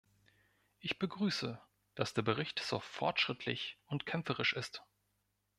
Ich begrüße, dass der Bericht so fortschrittlich und kämpferisch ist.